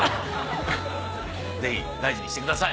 ぜひ大事にしてください。